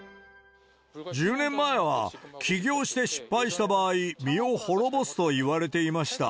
１０年前は、起業して失敗した場合、身を滅ぼすといわれていました。